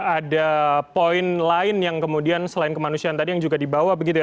ada poin lain yang kemudian selain kemanusiaan tadi yang juga dibawa begitu ya